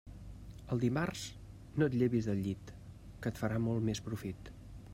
El dimarts no et llevis del llit, que et farà molt més profit.